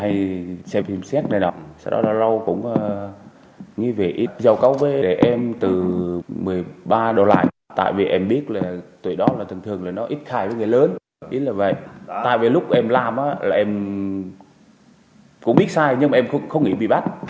ý là vậy tại vì lúc em làm là em cũng biết sai nhưng mà em không nghĩ bị bắt